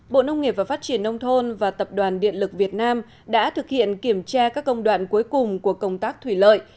bộ nông nghiệp và phát triển nông thôn và tập đoàn điện lực việt nam đã thực hiện kiểm tra các công đoạn cuối cùng của công tác thủy lợi